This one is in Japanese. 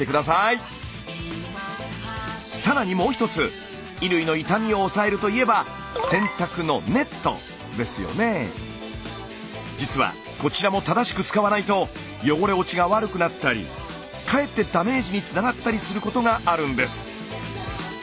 更にもう一つ衣類の傷みを抑えるといえば実はこちらも正しく使わないと汚れ落ちが悪くなったりかえってダメージにつながったりすることがあるんです。